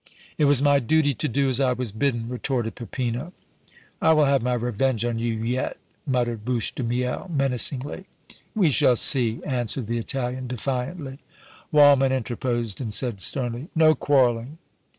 "It was my duty to do as I was bidden!" retorted Peppino. "I will have my revenge on you yet!" muttered Bouche de Miel, menacingly. "We shall see!" answered the Italian, defiantly. Waldmann interposed and said, sternly: "No quarreling!